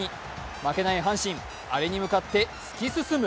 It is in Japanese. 負けない阪神アレに向かって突き進む！